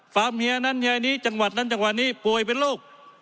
ฟาร์มเฮียนั่นนี้จังหวัดนั่นจังหวัดนี้ป่วยเป็นโรค